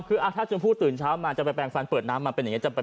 คือถ้าชมพู่ตื่นเช้ามาจะไปแปลงฟันเปิดน้ำมาเป็นอย่างนี้